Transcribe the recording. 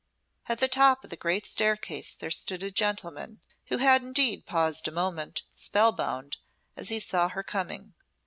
At the top of the great staircase there stood a gentleman, who had indeed paused a moment, spellbound, as he saw her coming.